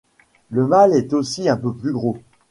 Le mâle est aussi un peu plus gros.